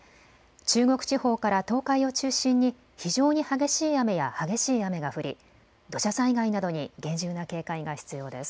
中国地方から東海を中心に非常に激しい雨や激しい雨が降り土砂災害などに厳重な警戒が必要です。